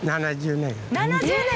７０年？